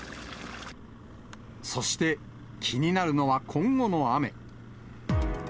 そして、気になるのは今後の雨。